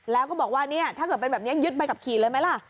แล้วก็บอกว่าเนี่ยถ้าเกิดเป็นแบบนี้ยึดใบขับขี่เลยไหมล่ะ